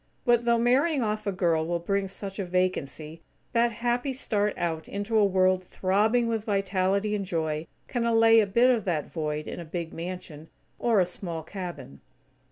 But, though marrying off a girl will bring such a vacancy, that happy start out into a world throbbing with vitality and joy, can allay a bit of that void in a big mansion, or a small cabin.